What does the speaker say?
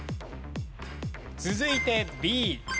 続いてＢ。